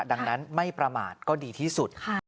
ดังนั้นไม่ประมาทก็ดีที่สุด